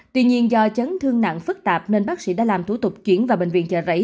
tuy nhiên do chấn thương nặng phức tạp nên bác sĩ đã làm thủ tục chuyển vào bệnh viện chợ rẫy